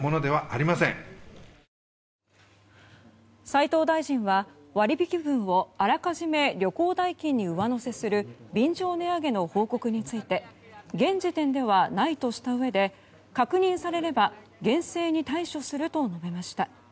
斉藤大臣は割引分をあらかじめ旅行代金に上乗せする便乗値上げの報告について現時点ではないとしたうえで確認されれば厳正に対処すると述べました。